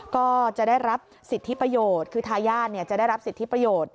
ก็จะได้รับสิทธิประโยชน์คือทายาทจะได้รับสิทธิประโยชน์